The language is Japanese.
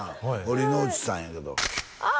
堀之内さんやけどあ！